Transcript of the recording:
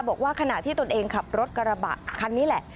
บอกว่าขณะที่ตนเองขับรถกระบะคันนี้แหละ